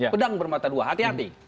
pedang bermata dua hati hati